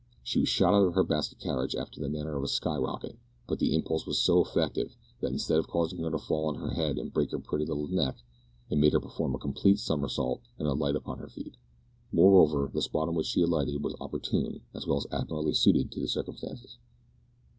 She was shot out of her basket carriage after the manner of a sky rocket, but the impulse was so effective that, instead of causing her to fall on her head and break her pretty little neck, it made her perform a complete somersault, and alight upon her feet. Moreover, the spot on which she alighted was opportune, as well as admirably suited to the circumstances.